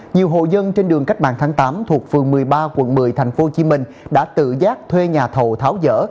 nhiều hộ dân trên đường cách mạng tháng tám thuộc phường một mươi ba quận một mươi thành phố hồ chí minh đã tự giác thuê nhà thầu tháo dở